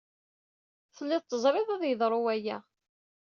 Tellid teẓrid ad yeḍru waya.